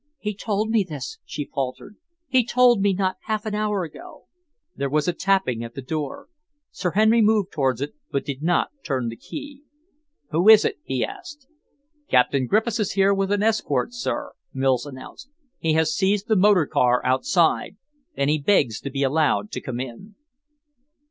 "He told me this," she faltered. "He told me not half an hour ago." There was a tapping at the door. Sir Henry moved towards it but did not turn the key. "Who is that?" he asked. "Captain Griffiths is here with an escort, sir," Mills announced. "He has seized the motor car outside, and he begs to be allowed to come in."